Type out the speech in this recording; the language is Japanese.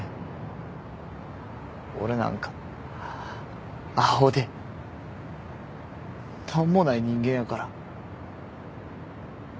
俺なんかアホで何もない人間やから。